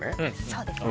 そうですね